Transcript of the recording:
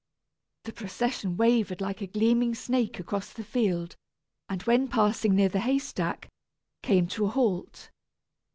The procession wavered like a gleaming snake across the field, and, when passing near the haystack, came to a halt.